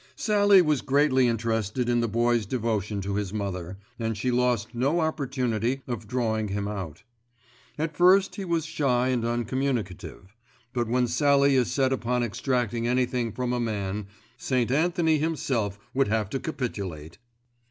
Sallie was greatly interested in the Boy's devotion to his mother, and she lost no opportunity of drawing him out. At first he was shy and uncommunicative; but when Sallie is set upon extracting anything from a man, S. Anthony himself would have to capitulate.